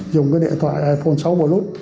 dùng cái điện thoại iphone sáu plus